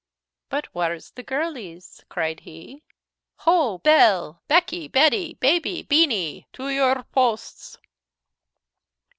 "But whar's the girlies?" cried he. "Ho! Belle, Becky, Betty, Baby, Beeny to your posts!"